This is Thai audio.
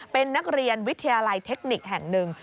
เป็นนักเรียนวิทยาลัยเทคนิคแห่งหนึ่ง